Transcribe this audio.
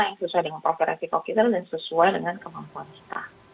yang sesuai dengan profil resiko kita dan sesuai dengan kemampuan kita